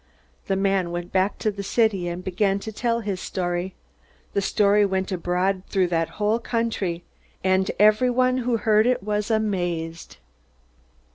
The man went back to the city, and began to tell his story. The story went abroad through that whole country, and everyone who heard it was amazed.